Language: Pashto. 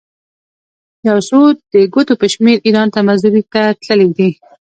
یو څو د ګوتو په شمېر ایران ته مزدورۍ ته تللي دي.